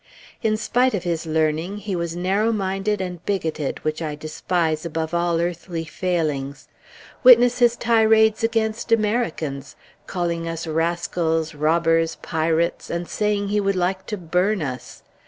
In spite of his learning, he was narrow minded and bigoted, which I despise above all earthly failings. Witness his tirades against Americans, calling us Rascals, Robbers, Pirates, and saying he would like to burn us!